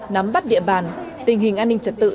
nắm bắt địa bàn tình hình an ninh trật tự